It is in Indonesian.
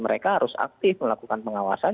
mereka harus aktif melakukan pengawasan